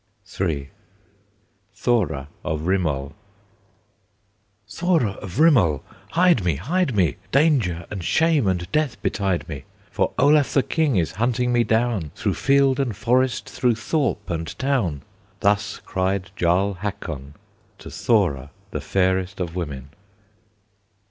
III. THORA OF RIMOL. "Thora of Rimol! hide me! hide me! Danger and shame and death betide me! For Olaf the King is hunting me down Through field and forest, through thorp and town!" Thus cried Jarl Hakon To Thora, the fairest of women.